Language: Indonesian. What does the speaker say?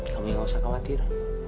kamu nggak usah khawatir